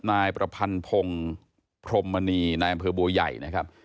นายประพัณฑงพรมนีนายอ่าเภอบ่วยใหญ่นะครับ